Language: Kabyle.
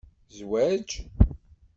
Zwaǧ